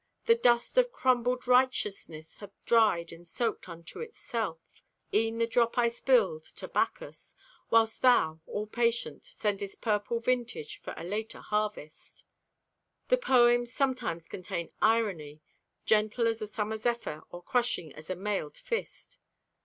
The dust of crumbled righteousness Hath dried and soaked unto itself E'en the drop I spilled to Bacchus, Whilst Thou, all patient, Sendest purple vintage for a later harvest. The poems sometimes contain irony, gentle as a summer zephyr or crushing as a mailed fist.